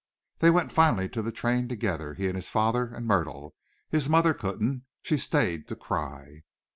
They went finally to the train together, he and his father and Myrtle. His mother couldn't. She stayed to cry.